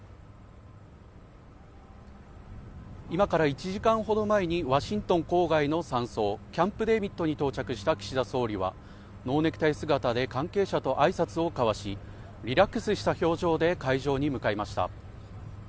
今から１時間ほど前にワシントン郊外の山荘キャンプデービッドに到着した岸田総理はノーネクタイ姿で関係者と挨拶をかわしリラックスした表情で会場に向かいました。